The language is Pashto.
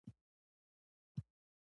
خو زه بیا وایم یو غټ سینه لرونکی را وله.